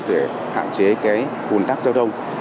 để hạn chế hùn tắc giao thông